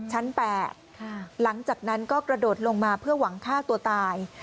ชั้น๘หลังจากนั้นก็กระโดดลงมาเพื่อหวังฆ่าตัวตาย